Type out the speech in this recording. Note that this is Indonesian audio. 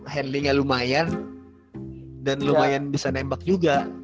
handlingnya lumayan dan lumayan bisa nembak juga